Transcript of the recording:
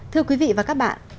thưa quý vị và các bạn